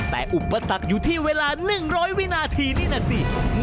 แต่อุปสรรคอยู่ที่เวลา๑๐๐วินาทีนี่น่ะสิ